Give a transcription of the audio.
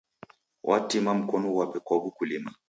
Watima mkonu ghwape kwa w'ukulima.